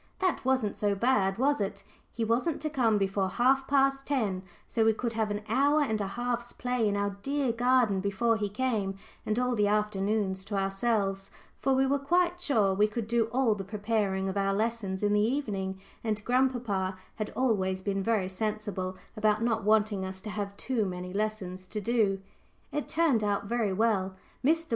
That wasn't so bad, was it? He wasn't to come before half past ten, so we could have an hour and a half's play in our dear garden before he came, and all the afternoons to ourselves; for we were quite sure we could do all the preparing of our lessons in the evening, and grandpapa had always been very sensible about not wanting us to have too many lessons to do. It turned out very well. Mr.